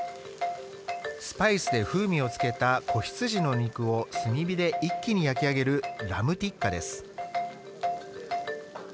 スパイスで風味をつけた子羊の肉を炭火で一気に焼き上げるラムティッカです。